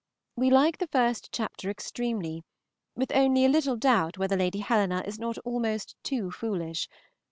We like the first chapter extremely, with only a little doubt whether Lady Helena is not almost too foolish.